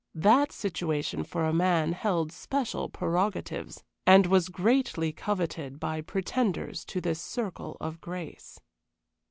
That situation for a man held special prerogatives, and was greatly coveted by pretenders to this circle of grace.